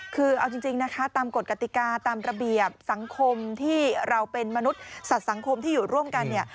คือเอาจริงนะคะตามกฎกติกาตามระเบียบสังคมที่เราเป็นมนุษย์สัตว์สังคมที่อยู่ร่วมกันเนี่ย